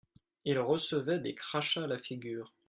Ils recevaient des crachats à la figure.